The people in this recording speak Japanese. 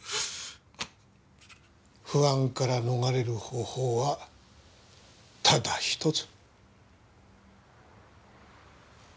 不安から逃れる方法はただ一つ。